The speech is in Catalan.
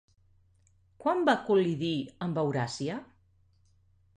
Quan va col·lidir amb Euràsia?